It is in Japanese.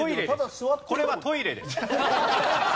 これはトイレです。